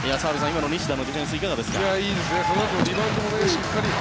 今の西田のディフェンスいかがですか。